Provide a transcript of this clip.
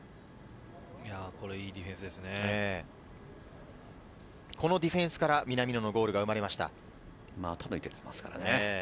これ、いいディフェンスこのディフェンスから南野のゴールが生まれました。